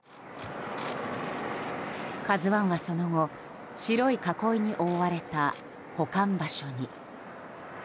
「ＫＡＺＵ１」は、その後白い囲いに覆われた保管場所に。